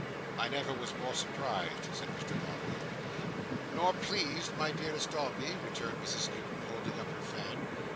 "I never was more surprised," said Mr Dombey. "Nor pleased, my dearest Dombey?" returned Mrs Skewton, holding up her fan.